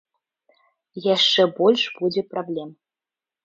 Яшчэ больш будзе праблем.